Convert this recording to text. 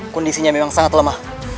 kondisinya memang sangat lemah